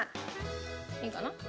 いいかな？